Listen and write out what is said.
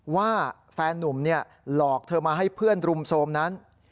ว่าแฟนนุ่มหลอกเธอมาให้เพื่อนรุมโทรมนั้น